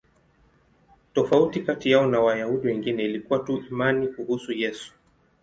Tofauti kati yao na Wayahudi wengine ilikuwa tu imani kuhusu Yesu.